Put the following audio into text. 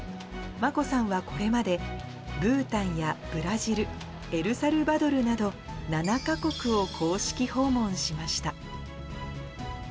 眞子さんはこれまで、ブータンやブラジル、エルサルバドルなど、７か国を公式訪問しました。